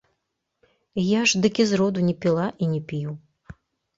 Я ж дык і зроду не піла і не п'ю.